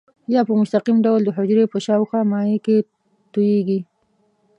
یا په مستقیم ډول د حجرې په شاوخوا مایع کې تویېږي.